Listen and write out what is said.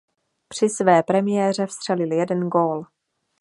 Při své premiéře vstřelil jeden gól.